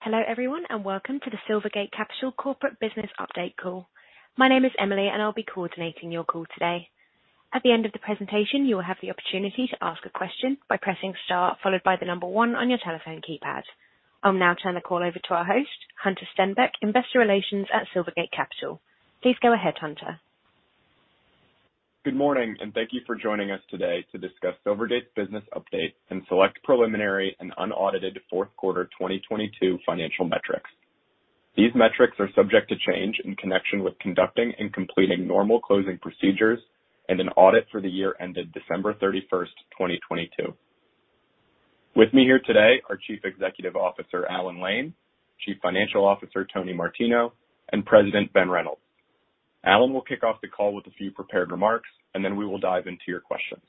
Hello, everyone, and welcome to the Silvergate Capital Corporate Business Update call. My name is Emily, and I'll be coordinating your call today. At the end of the presentation, you will have the opportunity to ask a question by pressing star followed by the number one on your telephone keypad. I'll now turn the call over to our host, Hunter Stenback, Investor Relations at Silvergate Capital. Please go ahead, Hunter. Good morning. Thank you for joining us today to discuss Silvergate's business update and select preliminary and unaudited fourth quarter 2022 financial metrics. These metrics are subject to change in connection with conducting and completing normal closing procedures and an audit for the year ended December 31st, 2022. With me here today are Chief Executive Officer, Alan Lane, Chief Financial Officer, Tony Martino, and President, Ben Reynolds. Alan will kick off the call with a few prepared remarks, and then we will dive into your questions.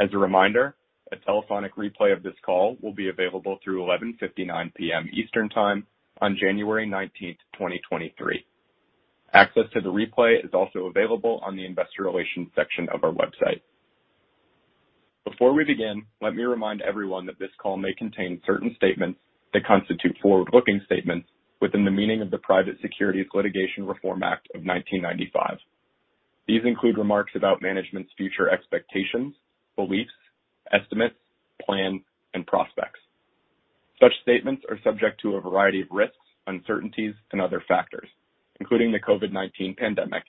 As a reminder, a telephonic replay of this call will be available through 11:59 P.M. Eastern Time on January 19th, 2023. Access to the replay is also available on the investor relations section of our website. Before we begin, let me remind everyone that this call may contain certain statements that constitute forward-looking statements within the meaning of the Private Securities Litigation Reform Act of 1995. These include remarks about management's future expectations, beliefs, estimates, plans, and prospects. Such statements are subject to a variety of risks, uncertainties, and other factors, including the COVID-19 pandemic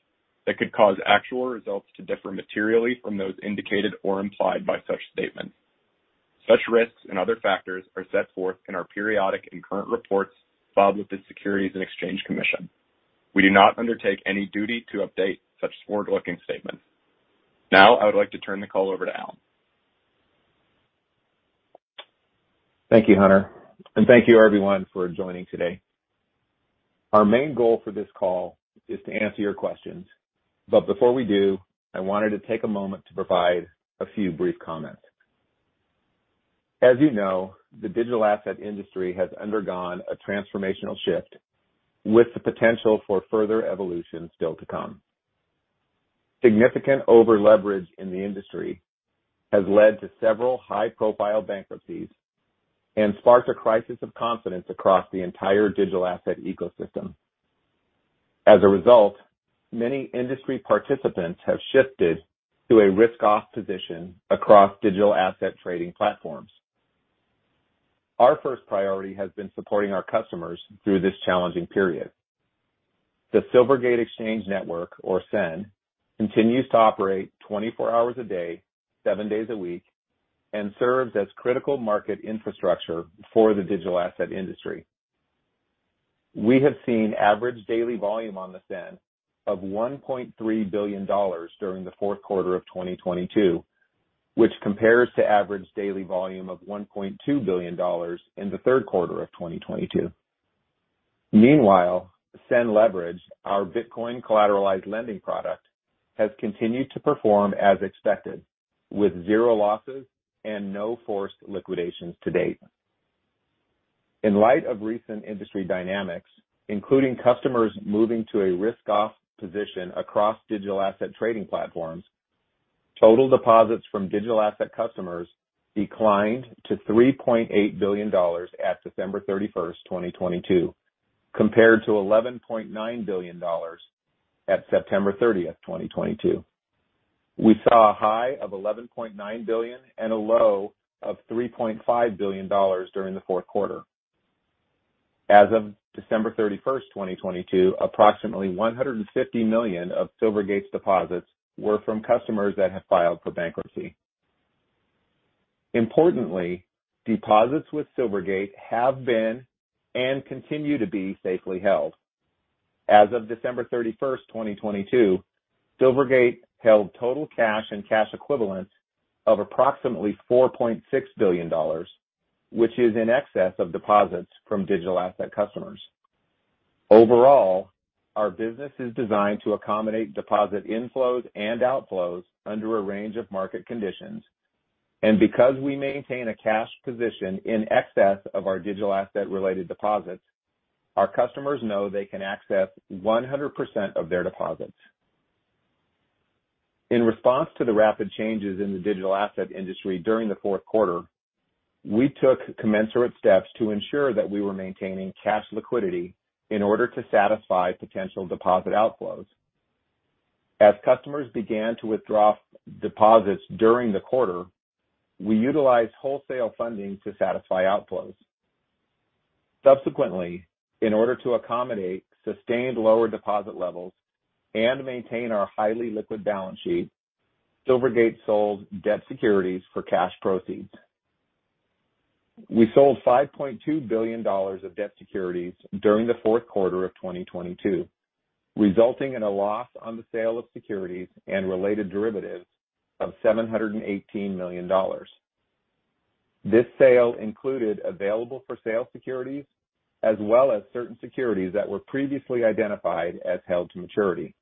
that could cause actual results to differ materially from those indicated or implied by such statements. Such risks and other factors are set forth in our periodic and current reports filed with the Securities and Exchange Commission. We do not undertake any duty to update such forward-looking statements. Now, I would like to turn the call over to Alan. Thank you, Hunter. Thank you everyone for joining today. Our main goal for this call is to answer your questions. Before we do, I wanted to take a moment to provide a few brief comments. As you know, the digital asset industry has undergone a transformational shift with the potential for further evolution still to come. Significant over-leverage in the industry has led to several high-profile bankruptcies and sparked a crisis of confidence across the entire digital asset ecosystem. As a result, many industry participants have shifted to a risk-off position across digital asset trading platforms. Our first priority has been supporting our customers through this challenging period. The Silvergate Exchange Network, or SEN, continues to operate 24 hours a day, seven days a week, and serves as critical market infrastructure for the digital asset industry. We have seen average daily volume on the SEN of $1.3 billion during the fourth quarter of 2022, which compares to average daily volume of $1.2 billion in the third quarter of 2022. Meanwhile, SEN Leverage, our Bitcoin collateralized lending product, has continued to perform as expected, with zero losses and no forced liquidations to date. In light of recent industry dynamics, including customers moving to a risk-off position across digital asset trading platforms, total deposits from digital asset customers declined to $3.8 billion at December 31st, 2022, compared to $11.9 billion at September 30th, 2022. We saw a high of $11.9 billion and a low of $3.5 billion during the fourth quarter. As of December 31st, 2022, approximately $150 million of Silvergate's deposits were from customers that have filed for bankruptcy. Importantly, deposits with Silvergate have been and continue to be safely held. As of December 31st, 2022, Silvergate held total cash and cash equivalents of approximately $4.6 billion, which is in excess of deposits from digital asset customers. Overall, our business is designed to accommodate deposit inflows and outflows under a range of market conditions. Because we maintain a cash position in excess of our digital asset-related deposits, our customers know they can access 100% of their deposits. In response to the rapid changes in the digital asset industry during the fourth quarter, we took commensurate steps to ensure that we were maintaining cash liquidity in order to satisfy potential deposit outflows. As customers began to withdraw deposits during the quarter, we utilized wholesale funding to satisfy outflows. Subsequently, in order to accommodate sustained lower deposit levels and maintain our highly liquid balance sheet, Silvergate sold debt securities for cash proceeds. We sold $5.2 billion of debt securities during the fourth quarter of 2022, resulting in a loss on the sale of securities and related derivatives of $718 million. This sale included available-for-sale securities as well as certain securities that were previously identified as held to maturity.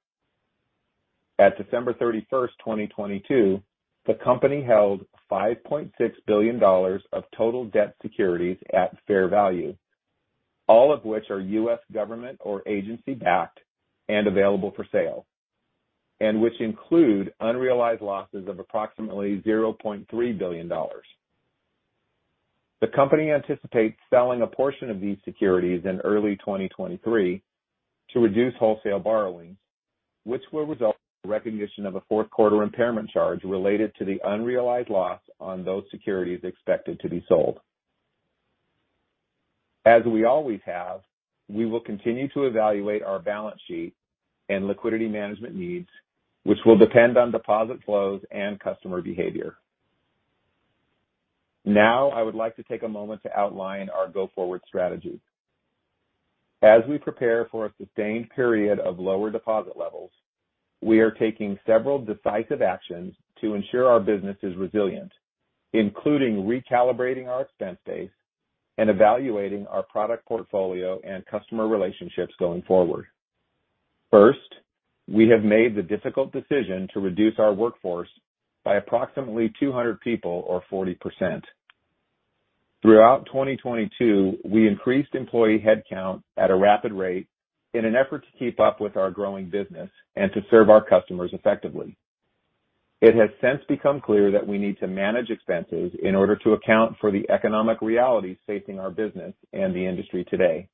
At December 31st, 2022, the company held $5.6 billion of total debt securities at fair value, all of which are U.S. government or agency-backed and available for sale. Which include unrealized losses of approximately $0.3 billion. The company anticipates selling a portion of these securities in early 2023 to reduce wholesale borrowings, which will result in recognition of a fourth quarter impairment charge related to the unrealized loss on those securities expected to be sold. As we always have, we will continue to evaluate our balance sheet and liquidity management needs, which will depend on deposit flows and customer behavior. Now, I would like to take a moment to outline our go-forward strategy. As we prepare for a sustained period of lower deposit levels, we are taking several decisive actions to ensure our business is resilient, including recalibrating our expense base and evaluating our product portfolio and customer relationships going forward. First, we have made the difficult decision to reduce our workforce by approximately 200 people or 40%. Throughout 2022, we increased employee headcount at a rapid rate in an effort to keep up with our growing business and to serve our customers effectively. It has since become clear that we need to manage expenses in order to account for the economic realities facing our business and the industry today.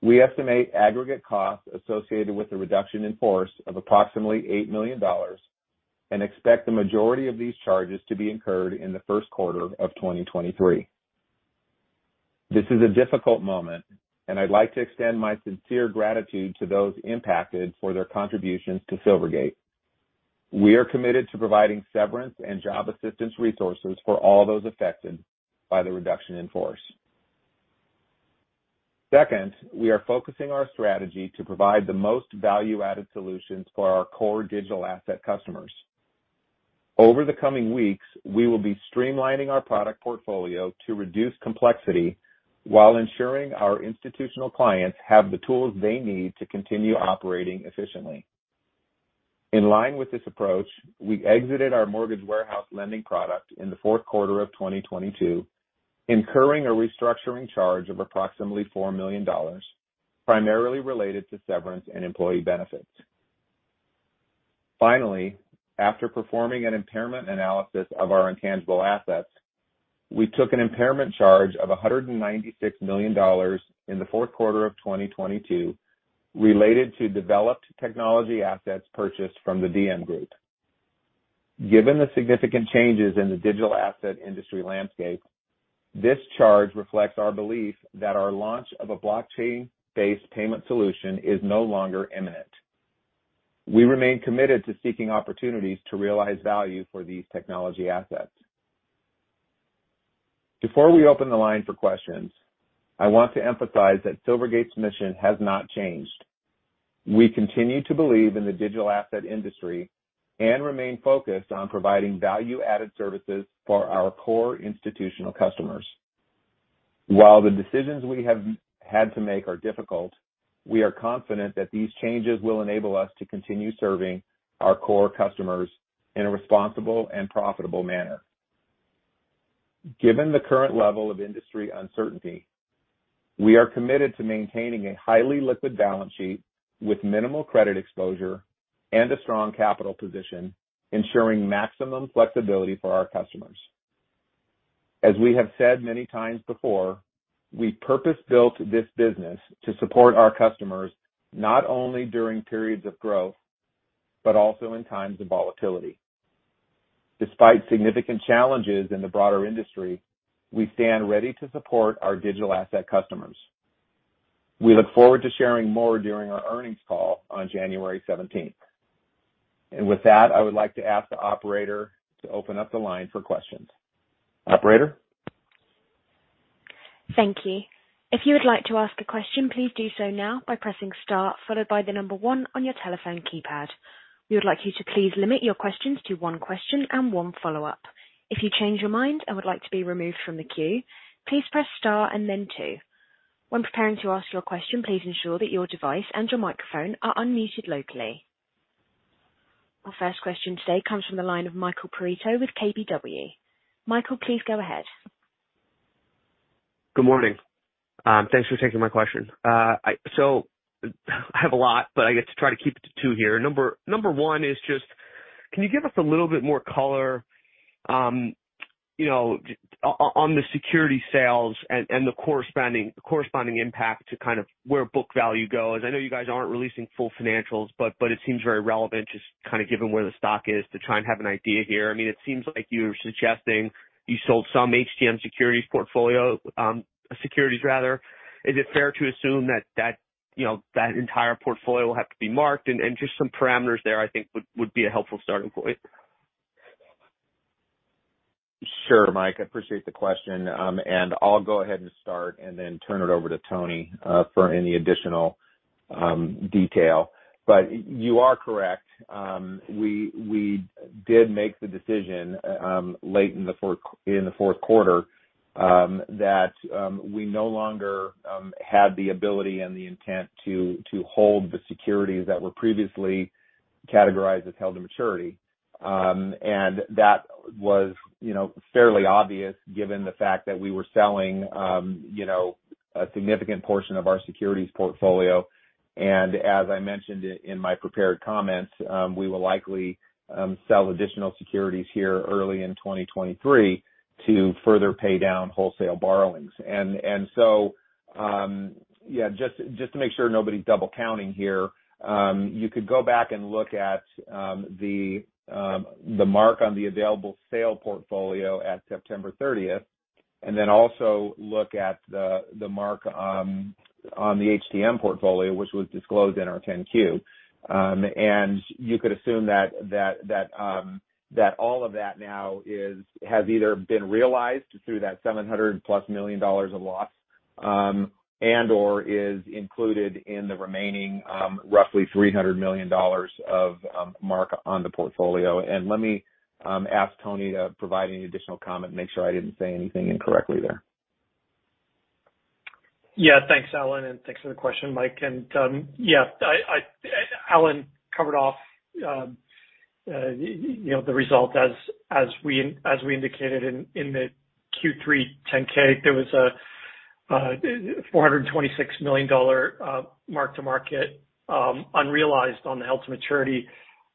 We estimate aggregate costs associated with the reduction in force of approximately $8 million and expect the majority of these charges to be incurred in the first quarter of 2023. This is a difficult moment, and I'd like to extend my sincere gratitude to those impacted for their contributions to Silvergate. We are committed to providing severance and job assistance resources for all those affected by the reduction in force. Second, we are focusing our strategy to provide the most value-added solutions for our core digital asset customers. Over the coming weeks, we will be streamlining our product portfolio to reduce complexity while ensuring our institutional clients have the tools they need to continue operating efficiently. In line with this approach, we exited our mortgage warehouse lending product in the fourth quarter of 2022, incurring a restructuring charge of approximately $4 million, primarily related to severance and employee benefits. After performing an impairment analysis of our intangible assets, we took an impairment charge of $196 million in the fourth quarter of 2022 related to developed technology assets purchased from the Diem Group. Given the significant changes in the digital asset industry landscape, this charge reflects our belief that our launch of a blockchain-based payment solution is no longer imminent. We remain committed to seeking opportunities to realize value for these technology assets. Before we open the line for questions, I want to emphasize that Silvergate's mission has not changed. We continue to believe in the digital asset industry and remain focused on providing value-added services for our core institutional customers. While the decisions we have had to make are difficult, we are confident that these changes will enable us to continue serving our core customers in a responsible and profitable manner. Given the current level of industry uncertainty, we are committed to maintaining a highly liquid balance sheet with minimal credit exposure and a strong capital position, ensuring maximum flexibility for our customers. As we have said many times before, we purpose-built this business to support our customers, not only during periods of growth, but also in times of volatility. Despite significant challenges in the broader industry, we stand ready to support our digital asset customers. We look forward to sharing more during our earnings call on January 17th. With that, I would like to ask the operator to open up the line for questions. Operator? Thank you. If you would like to ask a question, please do so now by pressing Star followed by 1 on your telephone keypad. We would like you to please limit your questions to 1 question and 1 follow-up. If you change your mind and would like to be removed from the queue, please press Star and then 2. When preparing to ask your question, please ensure that your device and your microphone are unmuted locally. Our first question today comes from the line of Michael Perito with KBW. Michael, please go ahead. Good morning. Thanks for taking my question. I have a lot, but I guess to try to keep it to 2 here. Number one is just, can you give us a little bit more color, you know, on the security sales and the corresponding impact to kind of where book value goes? I know you guys aren't releasing full financials, but it seems very relevant, just kind of given where the stock is, to try and have an idea here. I mean, it seems like you're suggesting you sold some HTM securities portfolio, securities, rather. Is it fair to assume that, you know, that entire portfolio will have to be marked? Just some parameters there, I think would be a helpful starting point. Sure, Mike, I appreciate the question. I'll go ahead and start and then turn it over to Tony for any additional detail. You are correct. We did make the decision late in the fourth quarter that we no longer had the ability and the intent to hold the securities that were previously categorized as held to maturity. That was, you know, fairly obvious given the fact that we were selling, you know, a significant portion of our securities portfolio. As I mentioned in my prepared comments, we will likely sell additional securities here early in 2023 to further pay down wholesale borrowings. Yeah, just to make sure nobody's double counting here, you could go back and look at the mark on the available sale portfolio at September thirtieth, and then also look at the mark on the HTM portfolio, which was disclosed in our 10-Q. You could assume that all of that now has either been realized through that $700+ million of loss, and/or is included in the remaining, roughly $300 million of mark on the portfolio. Let me ask Tony to provide any additional comment, make sure I didn't say anything incorrectly there. Yeah. Thanks, Alan, and thanks for the question, Mike. Yeah, Alan covered off, you know, the result. As we, as we indicated in the Q3 10-Q, there was a $426 million mark-to-market unrealized on the held-to-maturity.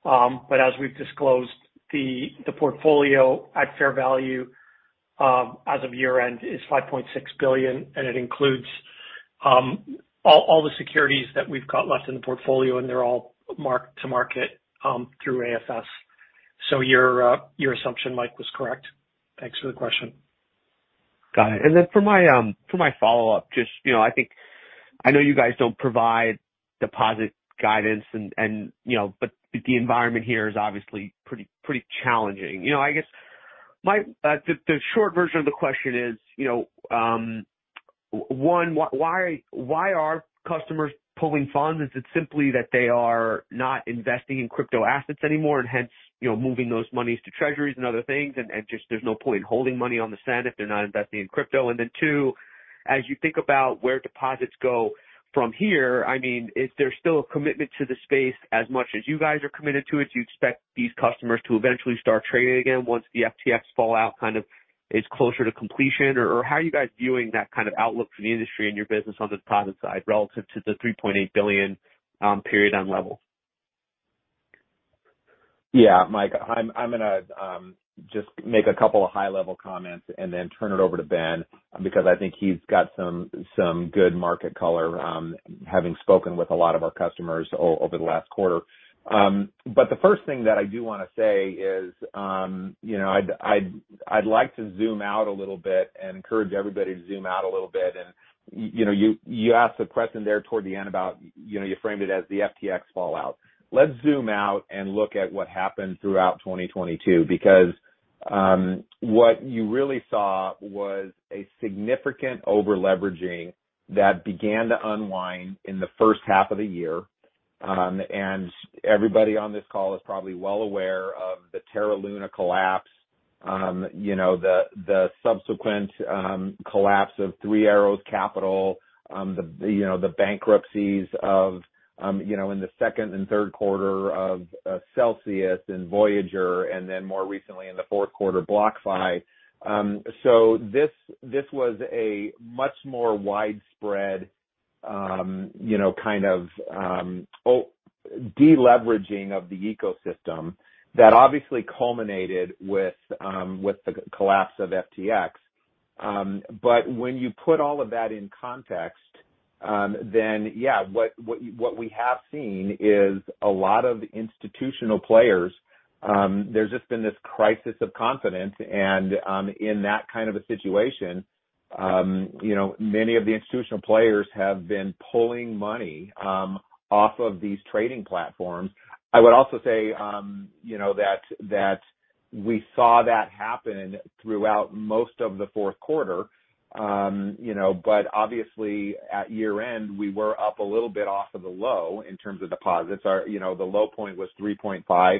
As we've disclosed, the portfolio at fair value, as of year-end is $5.6 billion, and it includes all the securities that we've got left in the portfolio, and they're all mark-to-market through AFS. Your assumption, Mike, was correct. Thanks for the question. Got it. Then for my for my follow-up, just, you know, I think I know you guys don't provide deposit guidance and, you know, but the environment here is obviously pretty challenging. You know, I guess the short version of the question is, you know, 1, why are customers pulling funds? Is it simply that they are not investing in crypto assets anymore and hence, you know, moving those monies to treasuries and other things, and just there's no point in holding money on the SEN if they're not investing in crypto? Then, two, as you think about where deposits go from here, I mean, is there still a commitment to the space as much as you guys are committed to it? Do you expect these customers to eventually start trading again once the FTX fallout kind of is closer to completion? Or how are you guys viewing that kind of outlook for the industry and your business on the deposit side relative to the $3.8 billion period-end level? Yeah. Mike, I'm gonna just make a couple of high-level comments and then turn it over to Ben because I think he's got some good market color, having spoken with a lot of our customers over the last quarter. The first thing that I do wanna say is, you know, I'd like to zoom out a little bit and encourage everybody to zoom out a little bit. You know, you asked the question there toward the end about, you know, you framed it as the FTX fallout. Let's zoom out and look at what happened throughout 2022, because what you really saw was a significant over-leveraging that began to unwind in the first half of the year. Everybody on this call is probably well aware of the Terra Luna collapse, you know, the subsequent collapse of Three Arrows Capital, the bankruptcies of, you know, in the second and third quarter of Celsius and Voyager, more recently in the fourth quarter, BlockFi. This was a much more widespread, you know, kind of deleveraging of the ecosystem that obviously culminated with the collapse of FTX. When you put all of that in context, yeah, what we have seen is a lot of institutional players. There's just been this crisis of confidence and, in that kind of a situation, you know, many of the institutional players have been pulling money off of these trading platforms. I would also say, you know, that we saw that happen throughout most of the fourth quarter. You know, but obviously at year-end, we were up a little bit off of the low in terms of deposits. Our, you know, the low point was $3.5.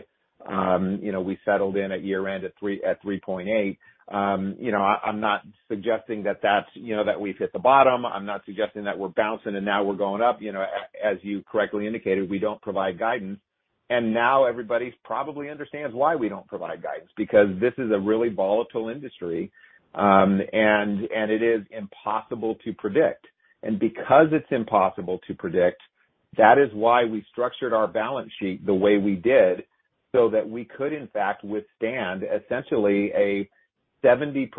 You know, we settled in at year-end at $3.8. You know, I'm not suggesting that that's, you know, that we've hit the bottom. I'm not suggesting that we're bouncing and now we're going up. You know, as you correctly indicated, we don't provide guidance. Now everybody probably understands why we don't provide guidance, because this is a really volatile industry, and it is impossible to predict. Because it's impossible to predict, that is why we structured our balance sheet the way we did, so that we could in fact withstand essentially a 70%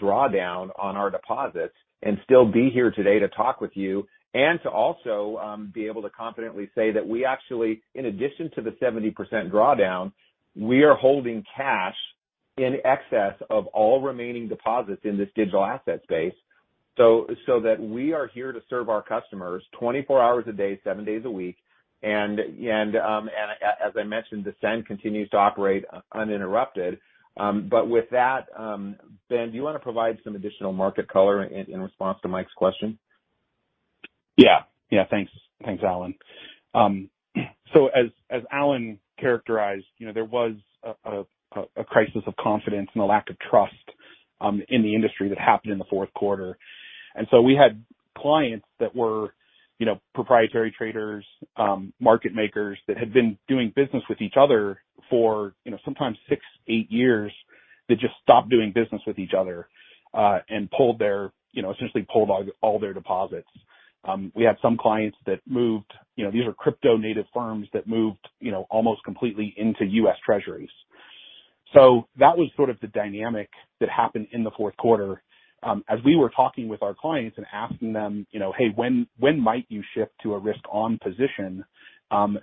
drawdown on our deposits and still be here today to talk with you, and to also be able to confidently say that we actually, in addition to the 70% drawdown, we are holding cash in excess of all remaining deposits in this digital asset space. That we are here to serve our customers 24 hours a day, seven days a week. As I mentioned, the SEN continues to operate uninterrupted. With that, Ben, do you wanna provide some additional market color in response to Mike's question? Yeah. Thanks, Alan. As, as Alan characterized, you know, there was a crisis of confidence and a lack of trust... In the industry that happened in the fourth quarter. We had clients that were, you know, proprietary traders, market makers that had been doing business with each other for, you know, sometimes six, eight years, that just stopped doing business with each other and pulled their, you know, essentially pulled all their deposits. We had some clients that moved. You know, these are crypto native firms that moved, you know, almost completely into U.S. Treasuries. That was sort of the dynamic that happened in the fourth quarter. As we were talking with our clients and asking them, you know, "Hey, when might you shift to a risk on position?"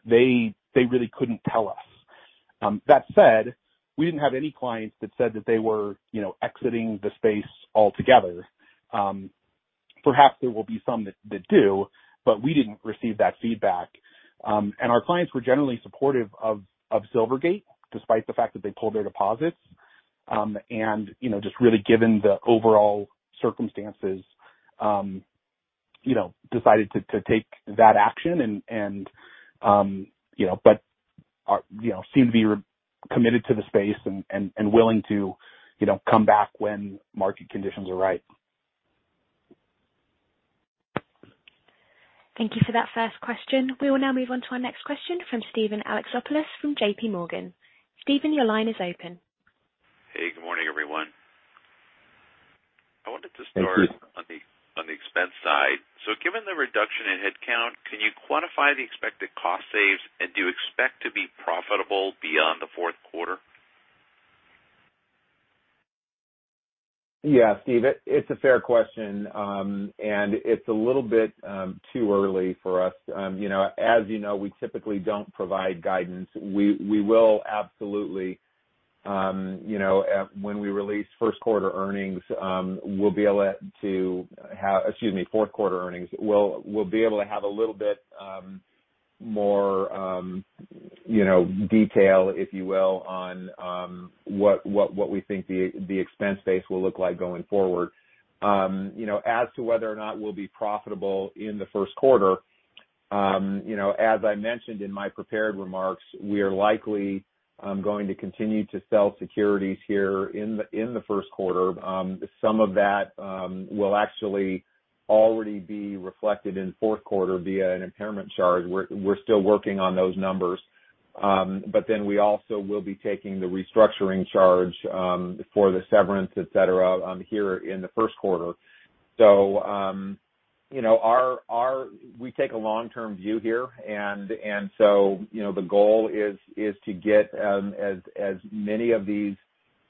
They really couldn't tell us. That said, we didn't have any clients that said that they were, you know, exiting the space altogether. Perhaps there will be some that do, but we didn't receive that feedback. Our clients were generally supportive of Silvergate, despite the fact that they pulled their deposits. You know, just really given the overall circumstances, you know, decided to take that action and, you know. You know, seem to be committed to the space and willing to, you know, come back when market conditions are right. Thank you for that first question. We will now move on to our next question from Steven Alexopoulos from JPMorgan. Steven, your line is open. Hey, good morning everyone. Thank you. I wanted to start on the, on the expense side. Given the reduction in headcount, can you quantify the expected cost saves? Do you expect to be profitable beyond the fourth quarter? Yeah. Steve, it's a fair question. It's a little bit too early for us. You know, as you know, we typically don't provide guidance. We will absolutely, you know, when we release first quarter earnings, we'll be able to have, excuse me, fourth quarter earnings, we'll be able to have a little bit more, you know, detail, if you will, on what we think the expense base will look like going forward. You know, as to whether or not we'll be profitable in the first quarter, you know, as I mentioned in my prepared remarks, we are likely going to continue to sell securities here in the first quarter. Some of that will actually already be reflected in fourth quarter via an impairment charge. We're still working on those numbers. We also will be taking the restructuring charge for the severance, et cetera, here in the first quarter. You know, our We take a long-term view here. You know, the goal is to get as many of these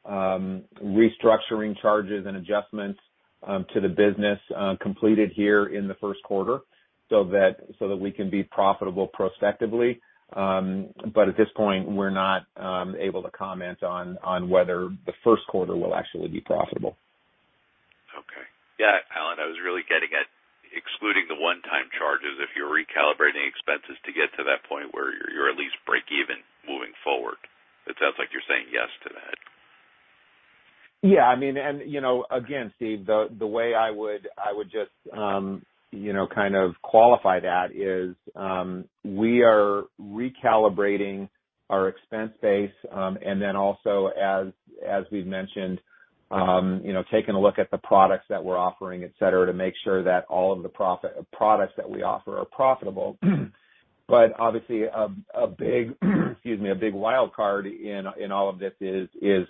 restructuring charges and adjustments to the business completed here in the first quarter so that we can be profitable prospectively. At this point, we're not able to comment on whether the first quarter will actually be profitable. Okay. Yeah, Alan, I was really getting at excluding the one-time charges if you're recalibrating expenses to get to that point where you're at least break even moving forward. It sounds like you're saying yes to that. Yeah, I mean, again, Steve, the way I would just kind of qualify that is we are recalibrating our expense base. Then also as we've mentioned, taking a look at the products that we're offering, et cetera, to make sure that all of the products that we offer are profitable. Obviously a big, excuse me, a big wildcard in all of this is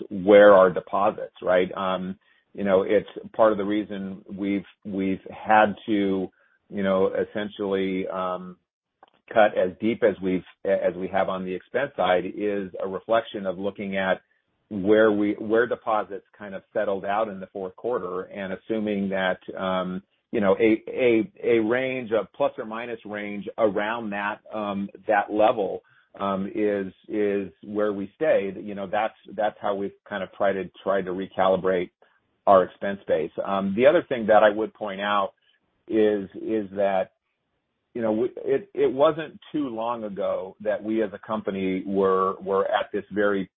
where are deposits, right? It's part of the reason we've had to, essentially, cut as deep as we have on the expense side, is a reflection of looking at where deposits kind of settled out in the fourth quarter. Assuming that, you know, a range of plus or minus range around that level, is where we stay. You know, that's how we've kind of tried to recalibrate our expense base. The other thing that I would point out is that, you know, it wasn't too long ago that we as a company were at this very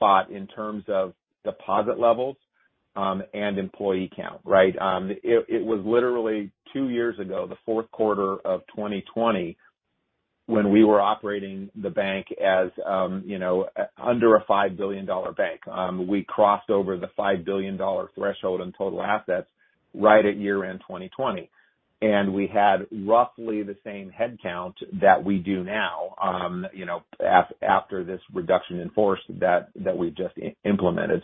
spot in terms of deposit levels, and employee count, right? It was literally years ago, the fourth quarter of 2020, when we were operating the bank as, you know, under a $5 billion bank. We crossed over the $5 billion threshold in total assets right at year end 2020, and we had roughly the same head count that we do now, you know, after this reduction in force that we've just implemented.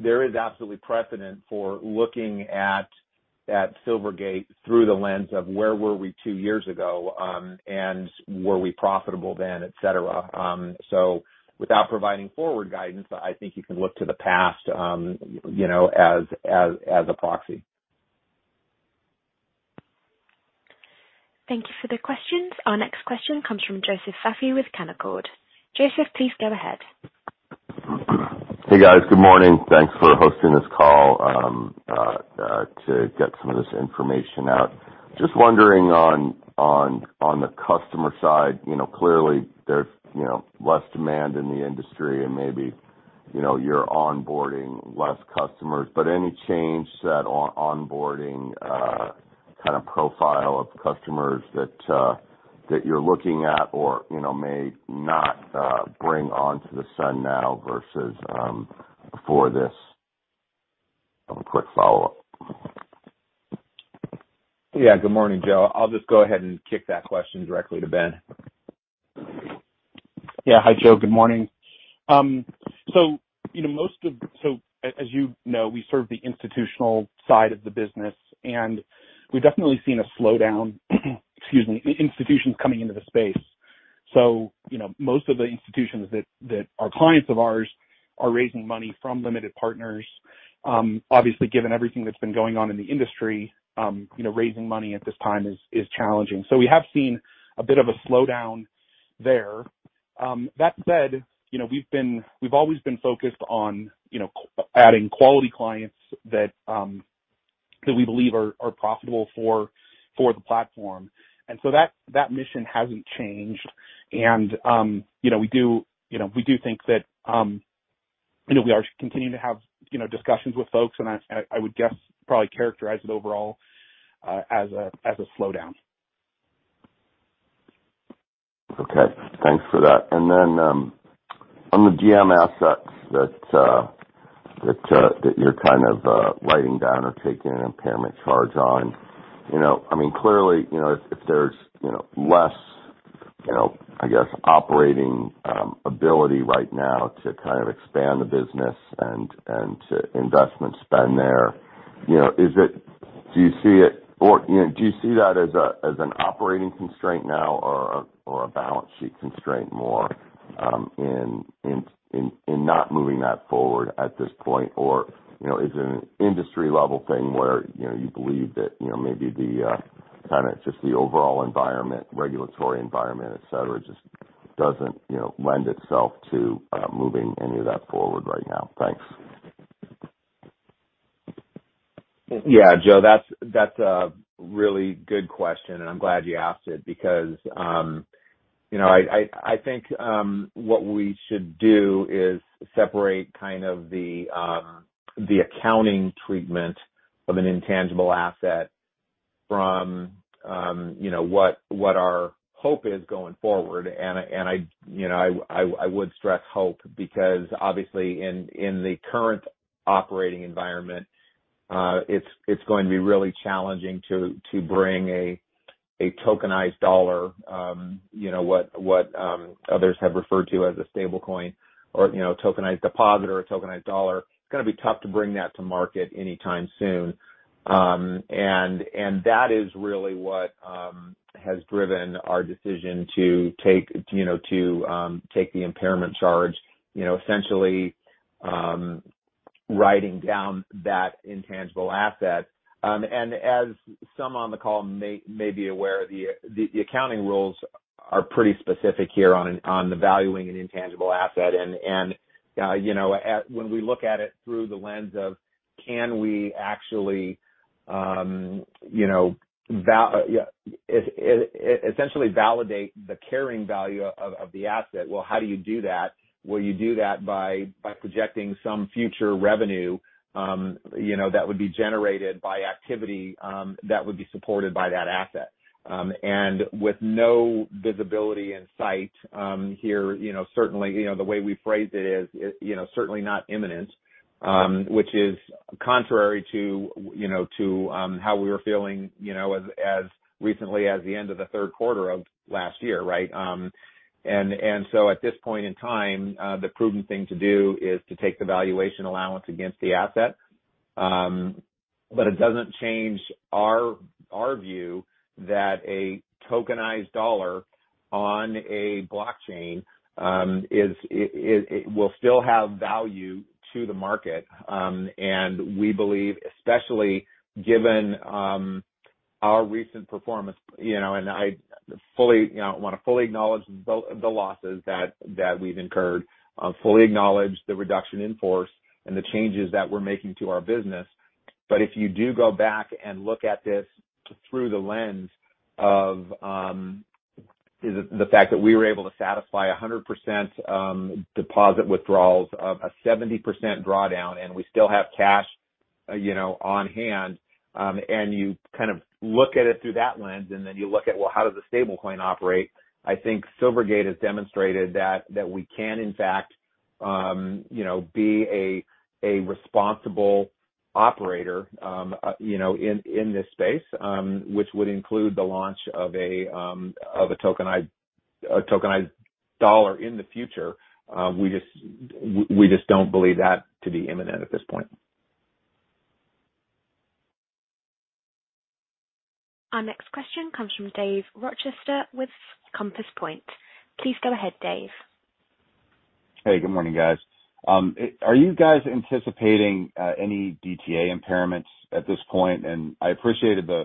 There is absolutely precedent for looking at Silvergate through the lens of where were we two years ago, and were we profitable then, et cetera. Without providing forward guidance, I think you can look to the past, you know, as a proxy. Thank you for the questions. Our next question comes from Joseph Vafi with Canaccord. Joseph, please go ahead. Hey guys. Good morning. Thanks for hosting this call to get some of this information out. Just wondering on the customer side, you know, clearly there's, you know, less demand in the industry and maybe, you know, you're onboarding less customers. Any change to that onboarding kind of profile of customers that you're looking at or, you know, may not bring onto the SEN now versus before this? I have a quick follow-up. Yeah. Good morning, Joe. I'll just go ahead and kick that question directly to Ben. Yeah. Hi, Joe. Good morning. You know, as you know, we serve the institutional side of the business, and we've definitely seen a slowdown, excuse me, institutions coming into the space. You know, most of the institutions that are clients of ours are raising money from limited partners. Obviously, given everything that's been going on in the industry, you know, raising money at this time is challenging. We have seen a bit of a slowdown there. That said, you know, we've always been focused on, you know, adding quality clients that we believe are profitable for the platform. That mission hasn't changed. You know, we do, you know, we do think that, you know, we are continuing to have, you know, discussions with folks, and I would guess, probably characterize it overall as a slowdown. Okay. Thanks for that. On the GM assets that you're kind of writing down or taking an impairment charge on, you know, I mean, clearly, you know, if there's, you know, less, you know, I guess, operating ability right now to kind of expand the business and to investment spend there, you know, Do you see it or, you know, do you see that as an operating constraint now or a balance sheet constraint more in not moving that forward at this point? Or, you know, is it an industry-level thing where, you know, you believe that, you know, maybe the kind of just the overall environment, regulatory environment, et cetera, just doesn't, you know, lend itself to moving any of that forward right now? Thanks. Yeah, Joe, that's a really good question, and I'm glad you asked it because, you know, I, I think what we should do is separate kind of the accounting treatment of an intangible asset from, you know, what our hope is going forward. I, you know, I, I would stress hope because obviously in the current operating environment, it's going to be really challenging to bring a tokenized dollar, you know, what others have referred to as a stablecoin or, you know, a tokenized deposit or a tokenized dollar. It's gonna be tough to bring that to market anytime soon. That is really what has driven our decision to take, you know, to take the impairment charge, you know, essentially, writing down that intangible asset. As some on the call may be aware, the accounting rules are pretty specific here on the valuing an intangible asset. You know, when we look at it through the lens of can we actually, you know, yeah, essentially validate the carrying value of the asset. Well, how do you do that? Well, you do that by projecting some future revenue, you know, that would be generated by activity that would be supported by that asset. With no visibility in sight, here, you know, certainly, you know, the way we phrased it is, you know, certainly not imminent, which is contrary to, you know, to, how we were feeling, you know, as recently as the end of the third quarter of last year, right? At this point in time, the prudent thing to do is to take the valuation allowance against the asset. It doesn't change our view that a tokenized dollar on a blockchain is, it will still have value to the market. We believe, especially given, our recent performance, you know, and I fully, you know, wanna fully acknowledge the losses that we've incurred, fully acknowledge the reduction in force and the changes that we're making to our business. If you do go back and look at this through the lens of the fact that we were able to satisfy 100% deposit withdrawals of a 70% drawdown, and we still have cash, you know, on hand. You kind of look at it through that lens, and then you look at, well, how does the stablecoin operate? I think Silvergate has demonstrated that we can, in fact, you know, be a responsible operator, you know, in this space, which would include the launch of a tokenized dollar in the future. We just don't believe that to be imminent at this point. Our next question comes from Dave Rochester with Compass Point. Please go ahead, Dave. Hey, good morning, guys. Are you guys anticipating any DTA impairments at this point? I appreciated the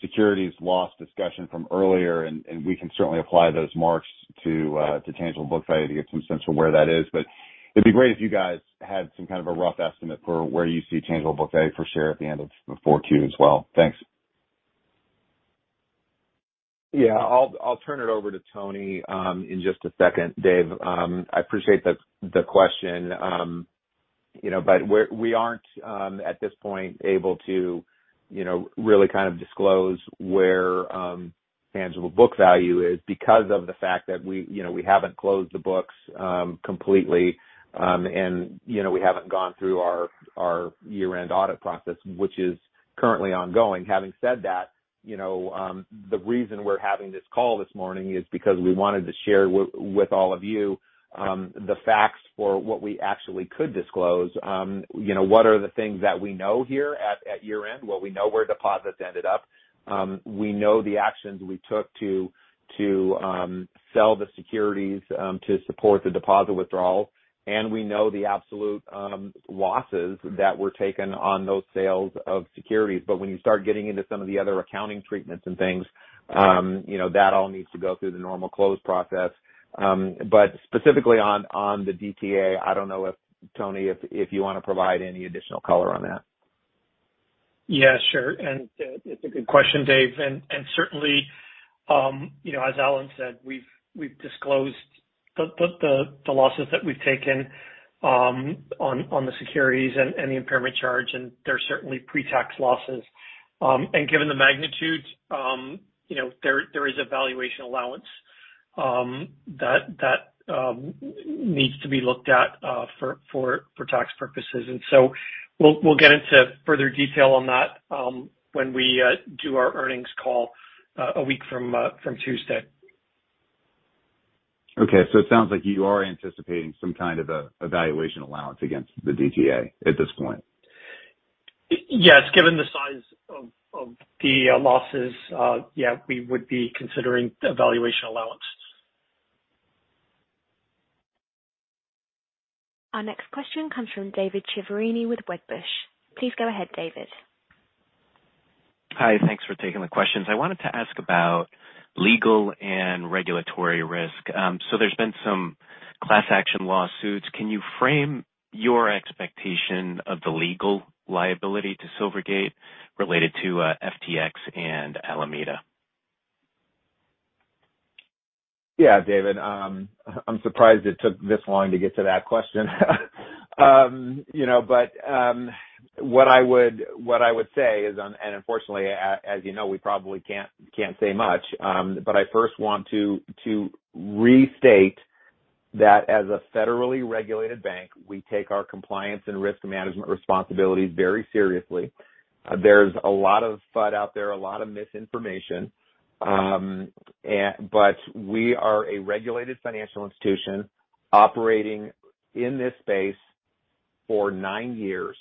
securities loss discussion from earlier, and we can certainly apply those marks to tangible book value to get some sense of where that is. It'd be great if you guys had some kind of a rough estimate for where you see tangible book value per share at the end of 4-Q as well. Thanks. Yeah. I'll turn it over to Tony in just a second, Dave. I appreciate the question. You know, we aren't at this point able to, you know, really kind of disclose where tangible book value is because of the fact that we, you know, we haven't closed the books completely. You know, we haven't gone through our year-end audit process, which is currently ongoing. Having said that, you know, the reason we're having this call this morning is because we wanted to share with all of you the facts for what we actually could disclose. You know, what are the things that we know here at year-end? Well, we know where deposits ended up. We know the actions we took to sell the securities to support the deposit withdrawals. We know the absolute losses that were taken on those sales of securities. When you start getting into some of the other accounting treatments and things, you know, that all needs to go through the normal close process. Specifically on the DTA, I don't know if, Tony, if you wanna provide any additional color on that. Yeah, sure. It's a good question, Dave. Certainly, you know, as Alan said, we've disclosed the losses that we've taken on the securities and the impairment charge, and they're certainly pre-tax losses. Given the magnitude, you know, there is a valuation allowance that needs to be looked at for tax purposes. We'll get into further detail on that when we do our earnings call a week from Tuesday. It sounds like you are anticipating some kind of a valuation allowance against the DTA at this point. Yes. Given the size of the losses, yeah, we would be considering evaluation allowance. Our next question comes from David Chiaverini with Wedbush. Please go ahead, David. Hi. Thanks for taking the questions. I wanted to ask about legal and regulatory risk. There's been some class action lawsuits. Can you frame your expectation of the legal liability to Silvergate related to FTX and Alameda? Yeah, David. I'm surprised it took this long to get to that question. you know, but, what I would say is on... and unfortunately, as you know, we probably can't, we can't say much. I first want to restate that as a federally regulated bank, we take our compliance and risk management responsibilities very seriously. There's a lot of FUD out there, a lot of misinformation. We are a regulated financial institution operating in this space for nine years.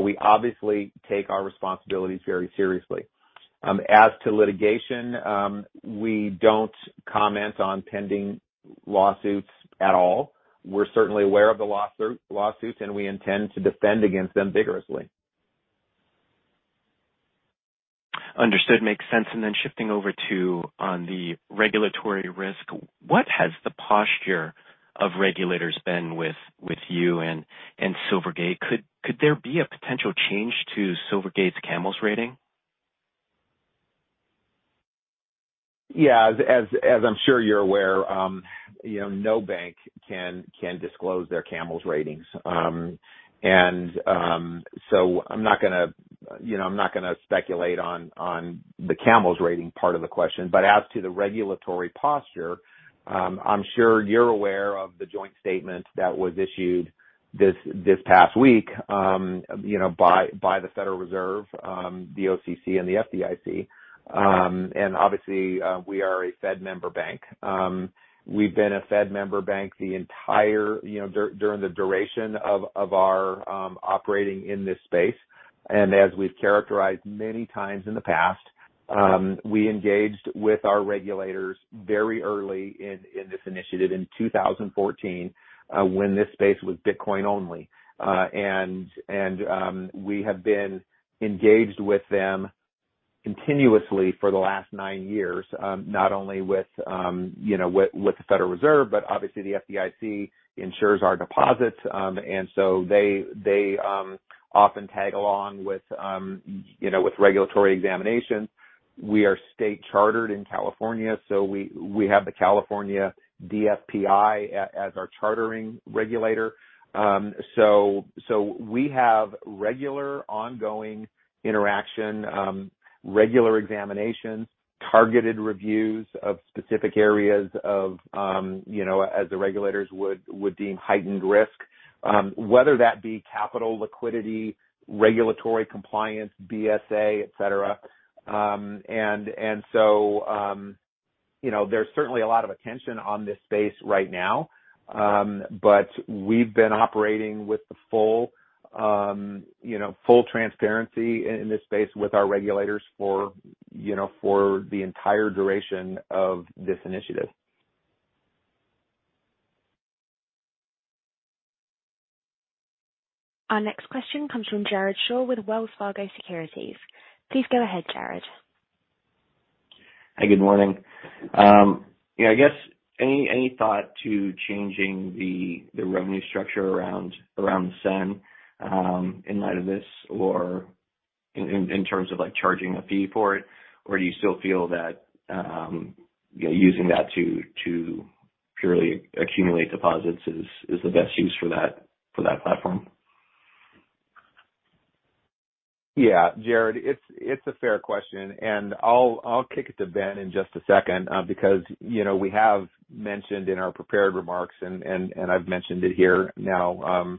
We obviously take our responsibilities very seriously. As to litigation, we don't comment on pending lawsuits at all. We're certainly aware of the lawsuits, and we intend to defend against them vigorously. Understood. Makes sense. Then shifting over to on the regulatory risk, what has the posture of regulators been with you and Silvergate? Could there be a potential change to Silvergate's CAMELS rating? Yeah. As I'm sure you're aware, you know, no bank can disclose their CAMELS ratings. So I'm not gonna, you know, I'm not gonna speculate on the CAMELS rating part of the question. As to the regulatory posture, I'm sure you're aware of the joint statement that was issued this past week, you know, by the Federal Reserve, the OCC and the FDIC. Obviously, we are a Fed member bank. We've been a Fed member bank the entire, you know, during the duration of our operating in this space. As we've characterized many times in the past, we engaged with our regulators very early in this initiative in 2014, when this space was Bitcoin only. We have been engaged with them continuously for the last nine years, not only with the Federal Reserve, but obviously the FDIC insures our deposits. They often tag along with regulatory examinations. We are state chartered in California, so we have the California DFPI as our chartering regulator. We have regular ongoing interaction, regular examinations, targeted reviews of specific areas as the regulators would deem heightened risk, whether that be capital liquidity, regulatory compliance, BSA, et cetera. There's certainly a lot of attention on this space right now. We've been operating with the full, you know, full transparency in this space with our regulators for, you know, for the entire duration of this initiative. Our next question comes from Jared Shaw with Wells Fargo Securities. Please go ahead, Jared. Hi, good morning. You know, I guess any thought to changing the revenue structure around SEN, in light of this. In terms of like charging a fee for it, or do you still feel that, you know, using that to purely accumulate deposits is the best use for that, for that platform? Yeah, Jared, it's a fair question, and I'll kick it to Ben in just a second, because, you know, we have mentioned in our prepared remarks, and I've mentioned it here now,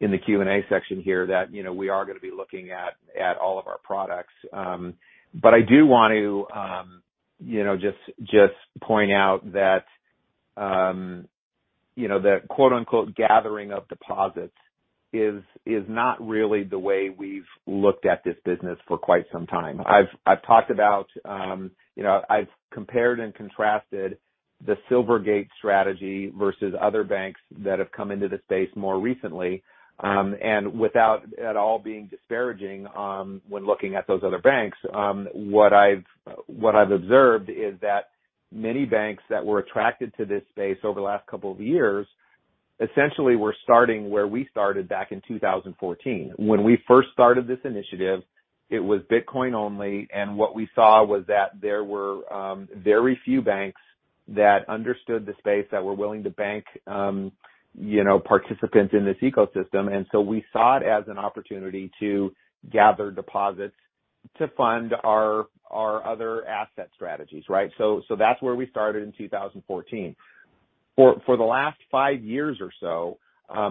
in the Q&A section here, that, you know, we are gonna be looking at all of our products. I do want to, you know, just point out that, you know, the quote unquote gathering of deposits is not really the way we've looked at this business for quite some time. I've talked about, you know, I've compared and contrasted the Silvergate strategy versus other banks that have come into this space more recently. Without at all being disparaging, when looking at those other banks, what I've observed is that many banks that were attracted to this space over the last couple of years essentially were starting where we started back in 2014. When we first started this initiative, it was Bitcoin only. What we saw was that there were very few banks that understood the space that were willing to bank, you know, participants in this ecosystem. We saw it as an opportunity to gather deposits to fund our other asset strategies, right? That's where we started in 2014. For the last five years or so,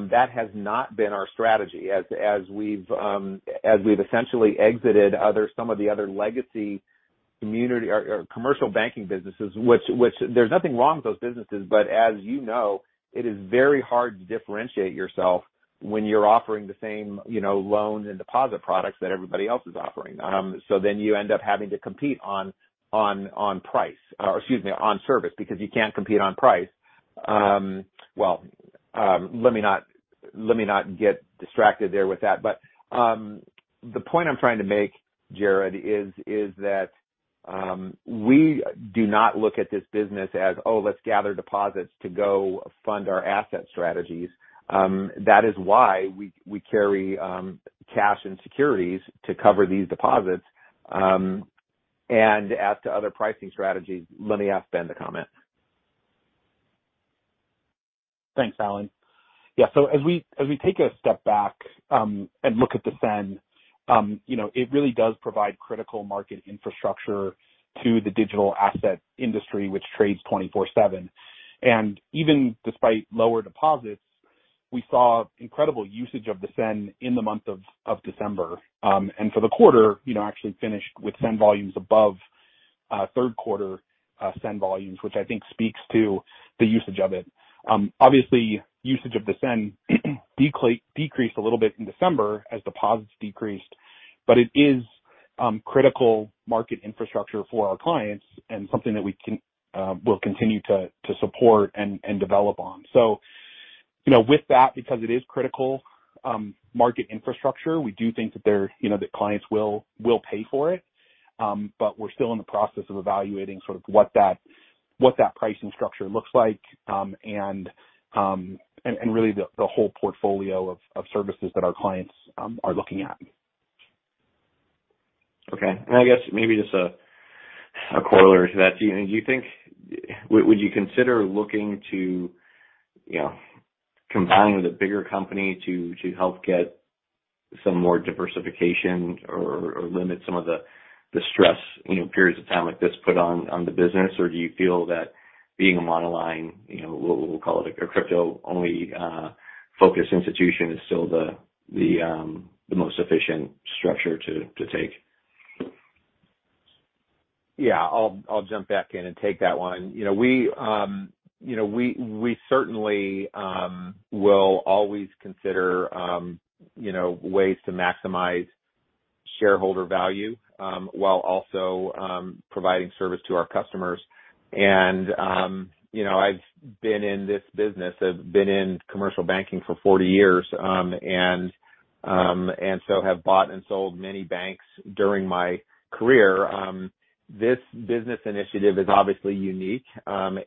that has not been our strategy. As we've essentially exited some of the other legacy community or commercial banking businesses, which there's nothing wrong with those businesses, but as you know, it is very hard to differentiate yourself when you're offering the same, you know, loans and deposit products that everybody else is offering. You end up having to compete on price, or excuse me, on service, because you can't compete on price. Well, let me not get distracted there with that. The point I'm trying to make, Jared, is that, we do not look at this business as, "Oh, let's gather deposits to go fund our asset strategies." That is why we carry cash and securities to cover these deposits. As to other pricing strategies, let me ask Ben to comment. Thanks, Alan. Yeah. As we take a step back, and look at the SEN, you know, it really does provide critical market infrastructure to the digital asset industry, which trades 24/7. Even despite lower deposits, we saw incredible usage of the SEN in the month of December. For the quarter, you know, actually finished with SEN volumes above third quarter SEN volumes, which I think speaks to the usage of it. Obviously, usage of the SEN decreased a little bit in December as deposits decreased, but it is critical market infrastructure for our clients and something that we can will continue to support and develop on. You know, with that, because it is critical market infrastructure, we do think that there, you know, the clients will pay for it. We're still in the process of evaluating sort of what that pricing structure looks like, and really the whole portfolio of services that our clients are looking at. Okay. I guess maybe just a corollary to that. Would you consider looking to, you know, combining with a bigger company to help get some more diversification or limit some of the stress, you know, periods of time like this put on the business? Or do you feel that being a monoline, you know, we'll call it a crypto-only focused institution is still the most efficient structure to take? Yeah. I'll jump back in and take that one. You know, we, you know, we certainly will always consider, you know, ways to maximize shareholder value, while also providing service to our customers. You know, I've been in this business, I've been in commercial banking for 40 years, and so have bought and sold many banks during my career. This business initiative is obviously unique. You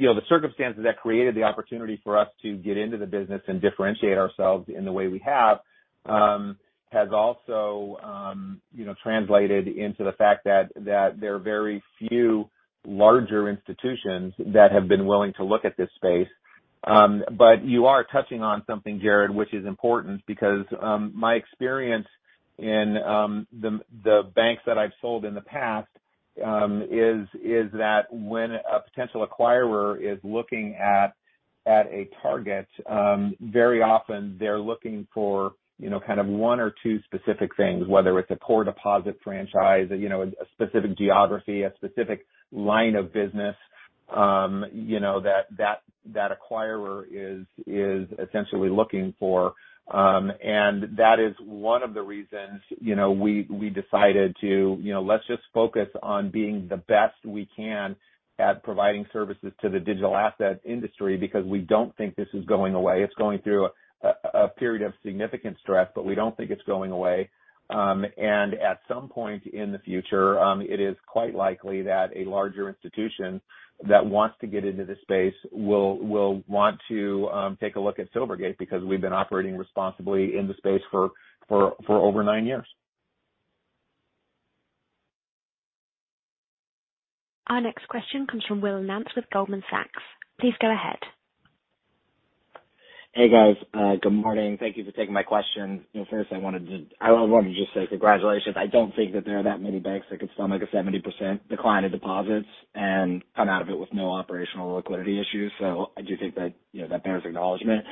know, the circumstances that created the opportunity for us to get into the business and differentiate ourselves in the way we have, has also, you know, translated into the fact that there are very few larger institutions that have been willing to look at this space. You are touching on something, Jared, which is important because my experience in the banks that I've sold in the past is that when a potential acquirer is looking at a target, very often they're looking for, you know, kind of one or two specific things, whether it's a core deposit franchise, you know, a specific geography, a specific line of business, you know, that acquirer is essentially looking for. That is one of the reasons, you know, we decided to, you know, let's just focus on being the best we can at providing services to the digital asset industry, because we don't think this is going away. It's going through a period of significant stress, but we don't think it's going away. At some point in the future, it is quite likely that a larger institution that wants to get into this space will want to take a look at Silvergate because we've been operating responsibly in the space for over nine years. Our next question comes from Will Nance with Goldman Sachs. Please go ahead. Hey, guys. Good morning. Thank Thank you for taking my question. You know, first I want to just say congratulations. I don't think that there are that many banks that could stomach a 70% decline in deposits and come out of it with no operational liquidity issues. I do think that, you know, that bears acknowledgement.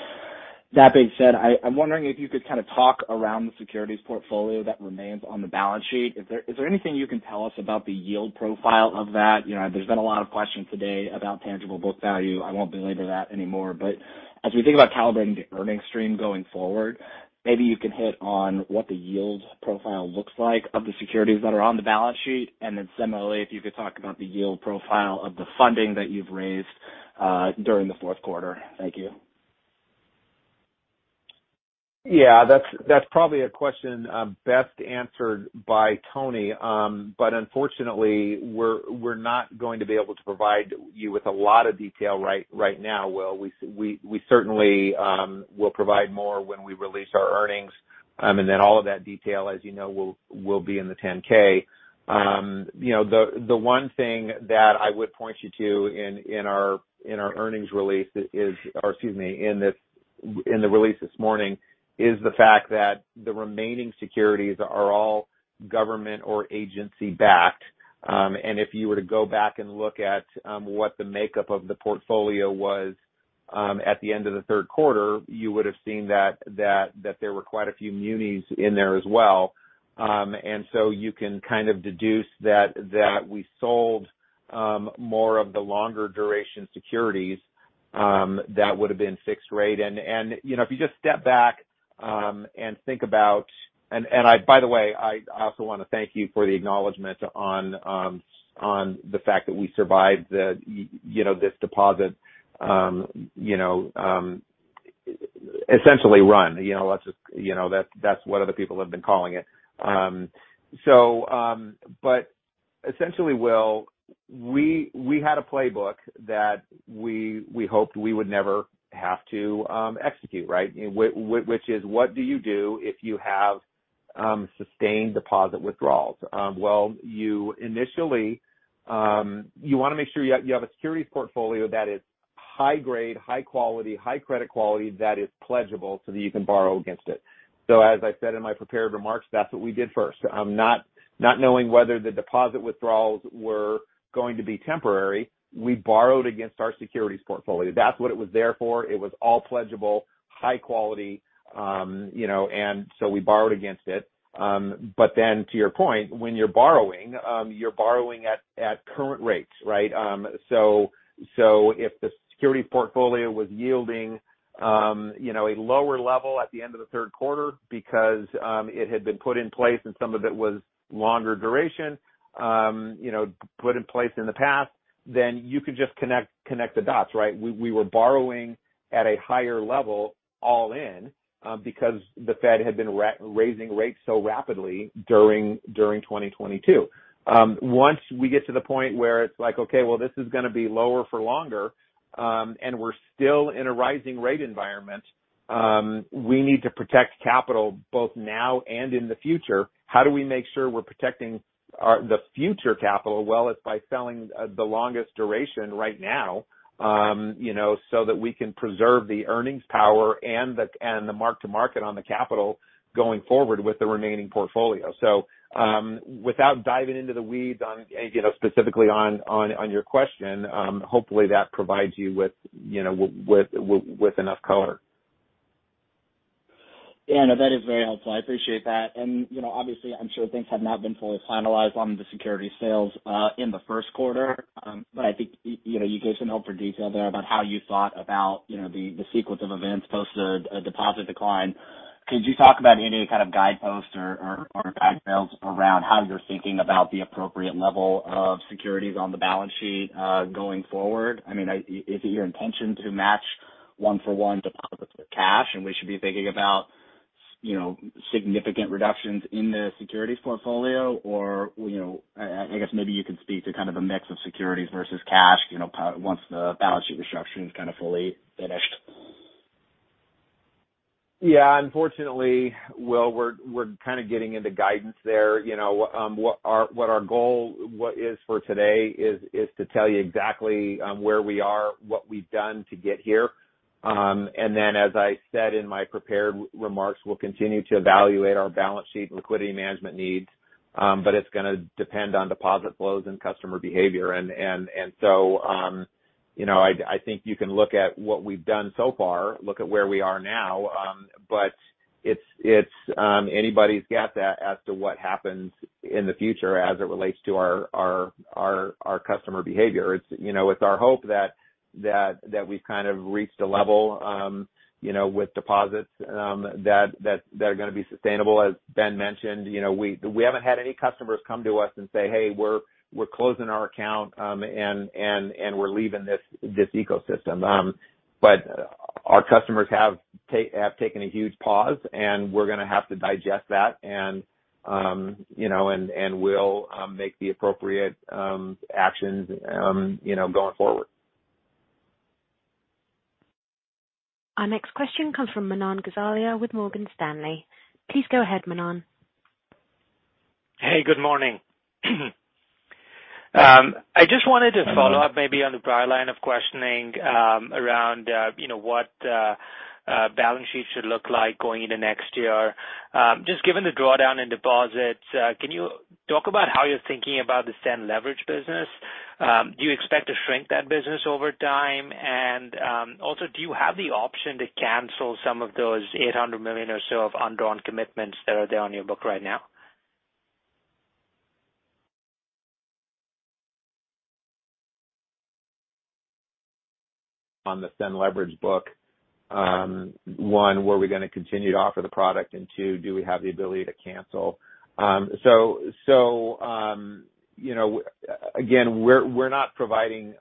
That being said, I'm wondering if you could kind of talk around the securities portfolio that remains on the balance sheet. Is there anything you can tell us about the yield profile of that? You know, there's been a lot of questions today about tangible book value. I won't belabor that anymore. As we think about calibrating the earnings stream going forward, maybe you can hit on what the yield profile looks like of the securities that are on the balance sheet, and then similarly, if you could talk about the yield profile of the funding that you've raised, during the fourth quarter. Thank you. Yeah, that's probably a question best answered by Tony. Unfortunately, we're not going to be able to provide you with a lot of detail right now, Will. We certainly will provide more when we release our earnings. All of that detail, as you know, will be in the 10-K. You know, the one thing that I would point you to in our earnings release is or excuse me, in this, in the release this morning, is the fact that the remaining securities are all government or agency backed. If you were to go back and look at what the makeup of the portfolio was at the end of the third quarter, you would have seen that there were quite a few MUNIS in there as well. You can kind of deduce that we sold more of the longer duration securities that would have been fixed rate. You know, if you just step back and think about, by the way, I also want to thank you for the acknowledgement on the fact that we survived the, you know, this deposit essentially run. You know, that's what other people have been calling it. Essentially, Will, we had a playbook that we hoped we would never have to execute, right? Which is what do you do if you have sustained deposit withdrawals? Well, you initially, you want to make sure you have a securities portfolio that is high grade, high quality, high credit quality that is pledgeable so that you can borrow against it. As I said in my prepared remarks, that's what we did first. Not knowing whether the deposit withdrawals were going to be temporary, we borrowed against our securities portfolio. That's what it was there for. It was all pledgeable, high quality, you know, so we borrowed against it. To your point, when you're borrowing, you're borrowing at current rates, right? So if the security portfolio was yielding, you know, a lower level at the end of the third quarter because it had been put in place and some of it was longer duration, you know, put in place in the past, then you could just connect the dots, right? We were borrowing at a higher level all in because the Fed had been raising rates so rapidly during 2022. Once we get to the point where it's like, okay, well, this is gonna be lower for longer, and we're still in a rising rate environment, we need to protect capital both now and in the future. How do we make sure we're protecting the future capital? It's by selling, the longest duration right now, you know, so that we can preserve the earnings power and the mark to market on the capital going forward with the remaining portfolio. Without diving into the weeds on, you know, specifically on your question, hopefully that provides you with, you know, with enough color. Yeah, no, that is very helpful. I appreciate that. you know, obviously, I'm sure things have not been fully finalized on the securities sales in the first quarter. I think, you know, you gave some helpful detail there about how you thought about, you know, the sequence of events post the deposit decline. Could you talk about any kind of guideposts or guardrails around how you're thinking about the appropriate level of securities on the balance sheet going forward? I mean, is it your intention to match one-for-one deposits with cash, and we should be thinking about, you know, significant reductions in the securities portfolio? you know, I guess maybe you could speak to kind of a mix of securities versus cash, you know, once the balance sheet restructuring is kind of fully finished. Yeah. Unfortunately, Will, we're kind of getting into guidance there. You know, what our goal is for today is to tell you exactly where we are, what we've done to get here. As I said in my prepared remarks, we'll continue to evaluate our balance sheet and liquidity management needs, but it's gonna depend on deposit flows and customer behavior. You know, I think you can look at what we've done so far, look at where we are now, but it's anybody's guess as to what happens in the future as it relates to our customer behavior. It's, you know, it's our hope that we've kind of reached a level, you know, with deposits, that are gonna be sustainable. As Ben mentioned, you know, we haven't had any customers come to us and say, "Hey, we're closing our account, and we're leaving this ecosystem." Our customers have taken a huge pause, and we're gonna have to digest that and, you know, and we'll make the appropriate actions, you know, going forward. Our next question comes from Manan Gosalia with Morgan Stanley. Please go ahead, Manan. Hey, good morning. I just wanted to follow up maybe on the Bryar line of questioning, around, you know, what balance sheets should look like going into next year. Just given the drawdown in deposits, can you talk about how you're thinking about the SEN Leverage business? Do you expect to shrink that business over time? Also, do you have the option to cancel some of those $800 million or so of undrawn commitments that are there on your book right now? On the SEN Leverage book. One, were we gonna continue to offer the product, and two, do we have the ability to cancel? You know, again, we're not providing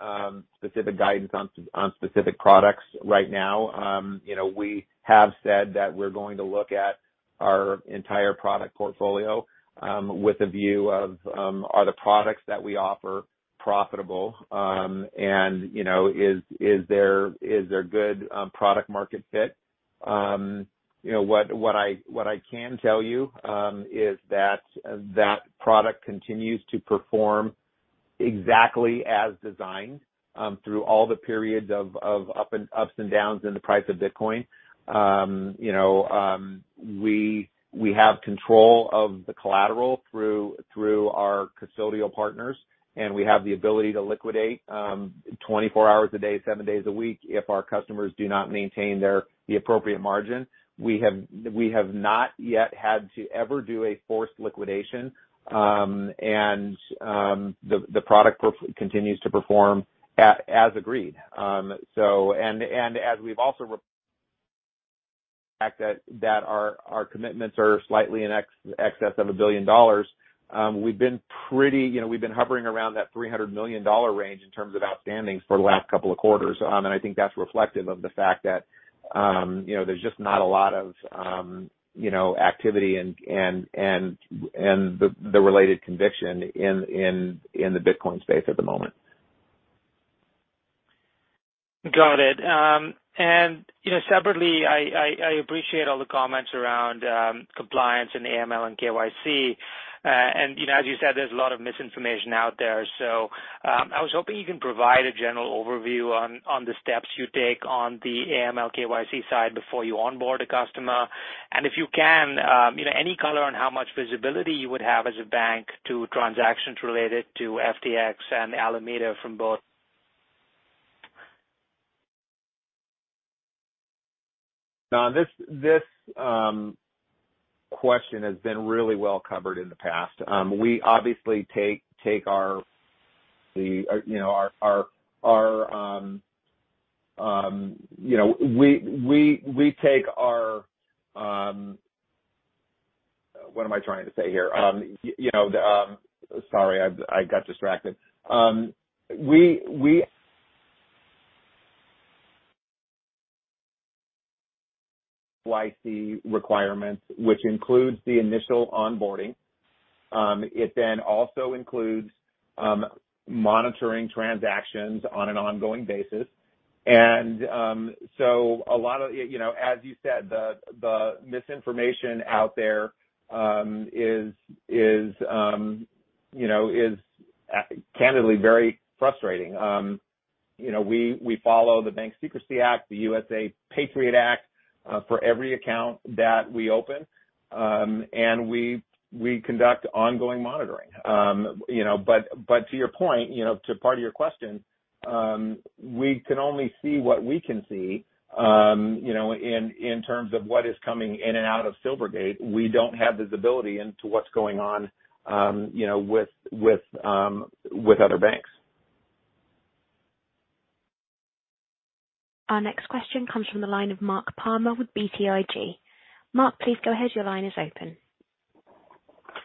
specific guidance on specific products right now. You know, we have said that we're going to look at our entire product portfolio, with a view of, are the products that we offer profitable? You know, is there good product market fit? You know, what I can tell you, is that that product continues to perform exactly as designed, through all the periods of ups and downs in the price of Bitcoin. You know, we have control of the collateral through our custodial partners, and we have the ability to liquidate, 24 hours a day, seven days a week if our customers do not maintain the appropriate margin. We have not yet had to ever do a forced liquidation. The product continues to perform as agreed. As we've also Fact that our commitments are slightly in excess of $1 billion, You know, we've been hovering around that $300 million range in terms of outstandings for the last couple of quarters. I think that's reflective of the fact that, you know, there's just not a lot of, you know, activity and the related conviction in the Bitcoin space at the moment. Got it. You know, separately, I appreciate all the comments around compliance and AML and KYC. You know, as you said, there's a lot of misinformation out there. I was hoping you can provide a general overview on the steps you take on the AML KYC side before you onboard a customer. If you can, you know, any color on how much visibility you would have as a bank to transactions related to FTX and Alameda from both. This question has been really well covered in the past. We obviously take our KYC requirements, which includes the initial onboarding. It then also includes monitoring transactions on an ongoing basis. So a lot of, you know, as you said, the misinformation out there is, you know, is candidly very frustrating. You know, we follow the Bank Secrecy Act, the USA PATRIOT Act, for every account that we open. We conduct ongoing monitoring. You know, to your point, you know, to part of your question, we can only see what we can see, you know, in terms of what is coming in and out of Silvergate. We don't have visibility into what's going on, you know, with other banks. Our next question comes from the line of Mark Palmer with BTIG. Mark, please go ahead. Your line is open.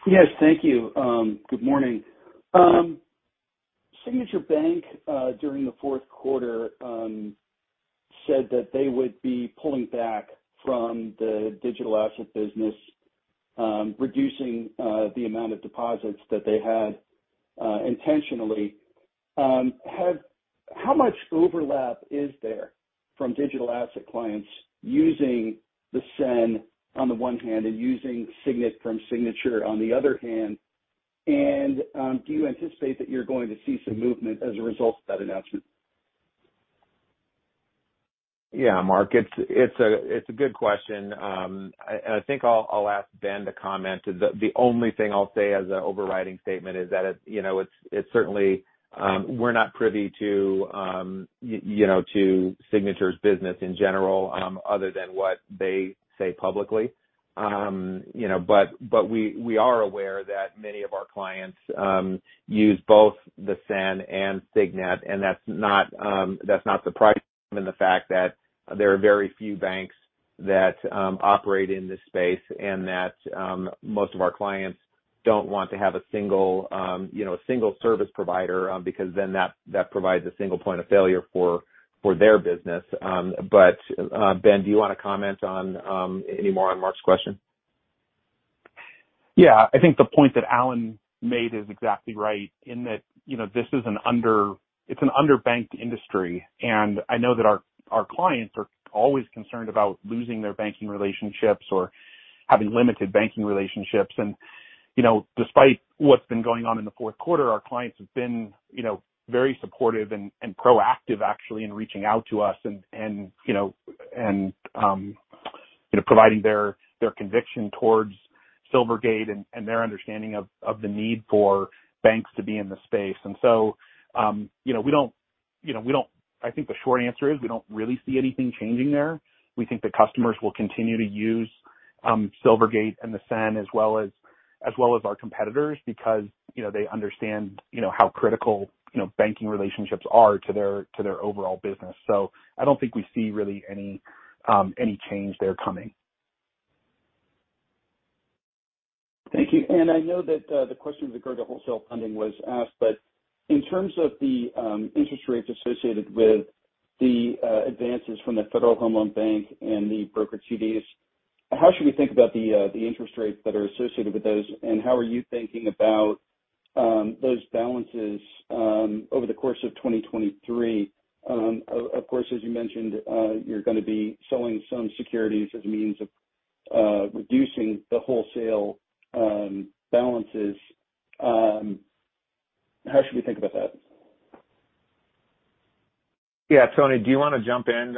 Yes, thank you. Good morning. Signature Bank, during the fourth quarter, said that they would be pulling back from the digital asset business, reducing the amount of deposits that they had, intentionally. How much overlap is there from digital asset clients using the SEN on the one hand and using Signet from Signature on the other hand? Do you anticipate that you're going to see some movement as a result of that announcement? Yeah, Mark, it's a good question. I, and I think I'll ask Ben to comment. The only thing I'll say as an overriding statement is that it, you know, it's certainly. We're not privy to, you know, to Signature's business in general, other than what they say publicly. You know, we are aware that many of our clients use both the SEN and Signet, and that's not, that's not surprising, given the fact that there are very few banks that operate in this space and that most of our clients don't want to have a single, you know, a single service provider, because then that provides a single point of failure for their business. Ben, do you wanna comment on any more on Mark's question? Yeah. I think the point that Alan made is exactly right in that, you know, this is an underbanked industry. I know that our clients are always concerned about losing their banking relationships or having limited banking relationships. You know, despite what's been going on in the fourth quarter, our clients have been, you know, very supportive and proactive actually in reaching out to us and, you know, and, you know, providing their conviction towards Silvergate and their understanding of the need for banks to be in the space. You know, we don't, you know, we don't. I think the short answer is we don't really see anything changing there. We think the customers will continue to use Silvergate and the SEN as well as our competitors because, you know, they understand, you know, how critical, you know, banking relationships are to their, to their overall business. I don't think we see really any change there coming. Thank you. I know that the question regarding wholesale funding was asked, but in terms of the interest rates associated with the advances from the Federal Home Loan Bank and the broker CDs, how should we think about the interest rates that are associated with those, and how are you thinking about those balances over the course of 2023? Of course, as you mentioned, you're gonna be selling some securities as a means of reducing the wholesale balances. How should we think about that? Yeah. Tony, do you wanna jump in,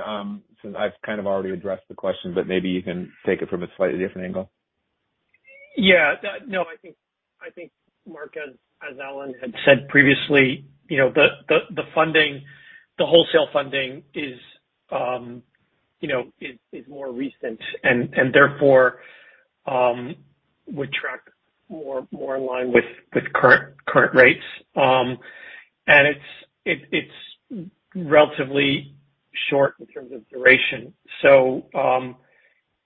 since I've kind of already addressed the question, but maybe you can take it from a slightly different angle? Yeah. No, I think Mark, as Alan had said previously, you know, the funding, the wholesale funding is, you know, is more recent and therefore would track more in line with current rates. It's relatively short in terms of duration.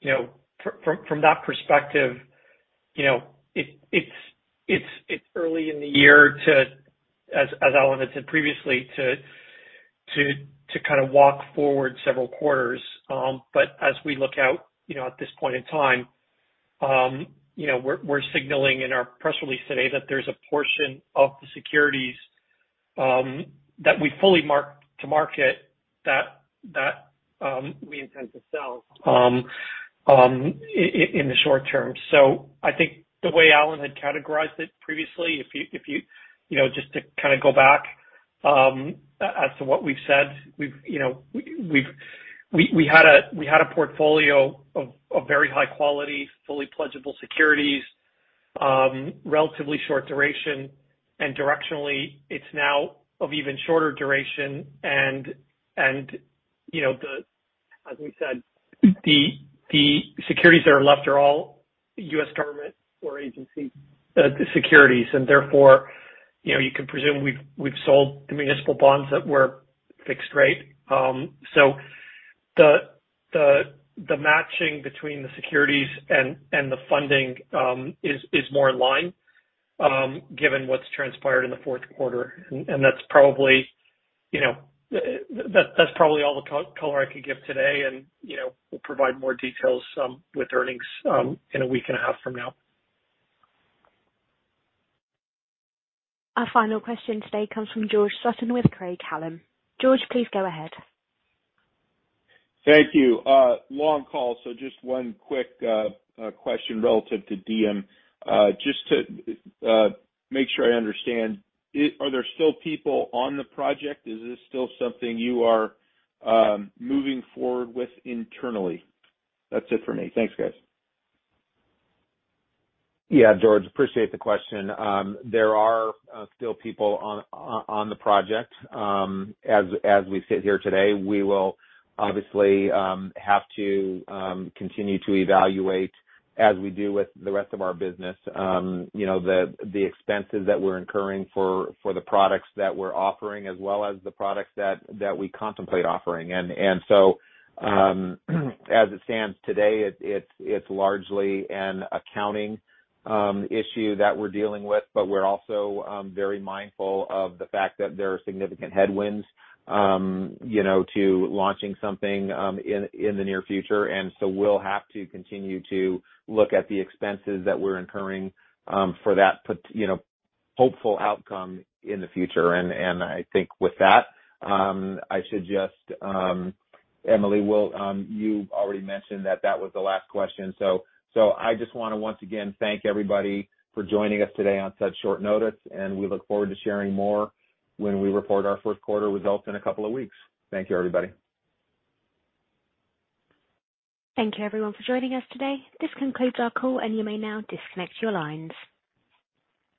You know, from that perspective, it's early in the year to, as Alan had said previously, to kind of walk forward several quarters. As we look out, you know, at this point in time, you know, we're signaling in our press release today that there's a portion of the securities that we fully mark to market that we intend to sell in the short term. I think the way Alan had categorized it previously, if you know, just to kinda go back as to what we've said, we've, you know, we had a portfolio of very high quality, fully pledgeable securities, relatively short duration, and directionally, it's now of even shorter duration. As we said, the securities that are left are all U.S. government or agency securities and therefore, you know, you can presume we've sold the municipal bonds that were fixed rate. The matching between the securities and the funding is more in line given what's transpired in the fourth quarter. That's probably, you know, that's probably all the color I can give today. You know, we'll provide more details with earnings in a week and a half from now. Our final question today comes from George Sutton with Craig-Hallum. George, please go ahead. Thank you. Long call, just one quick question relative to Diem. Just to make sure I understand, are there still people on the project? Is this still something you are moving forward with internally? That's it for me. Thanks, guys. Yeah. George, appreciate the question. There are still people on the project. As we sit here today, we will obviously have to continue to evaluate as we do with the rest of our business, you know, the expenses that we're incurring for the products that we're offering, as well as the products that we contemplate offering. As it stands today, it's largely an accounting issue that we're dealing with. We're also very mindful of the fact that there are significant headwinds, you know, to launching something in the near future. We'll have to continue to look at the expenses that we're incurring for that you know, hopeful outcome in the future. I think with that, You've already mentioned that that was the last question. I just wanna, once again, thank everybody for joining us today on such short notice, and we look forward to sharing more when we report our first quarter results in a couple of weeks. Thank you, everybody. Thank you, everyone, for joining us today. This concludes our call, and you may now disconnect your lines.